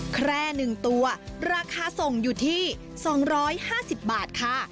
แคร่๑ตัวราคาส่งอยู่ที่๒๕๐บาทค่ะ